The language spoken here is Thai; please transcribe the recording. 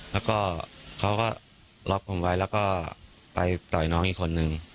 แล้วก็เขาก็ล็อกผมไว้แล้วก็ไปต่อยน้องอีกคนนึง